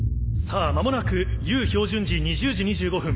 さぁ間もなくＵ標準時２０時２５分。